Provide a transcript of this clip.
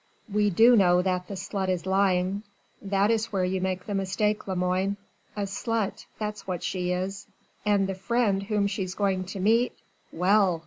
"We do know that the slut is lying that is where you make the mistake, Lemoine. A slut, that's what she is and the friend whom she's going to meet ...? Well!"